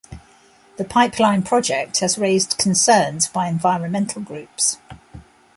The pipeline project has raised concerns by environmental groups.